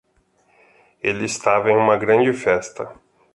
Ele estava em uma grande festa.